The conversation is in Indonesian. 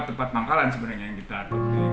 tempat pangkalan sebenarnya yang kita atur